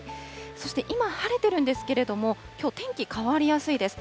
そして、今晴れているんですけれども、きょう、天気変わりやすいです。